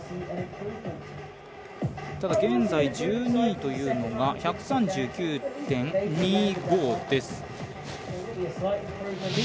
ただ、現在１２位というのが１３９．２５です。